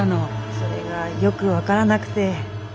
それがよく分からなくて。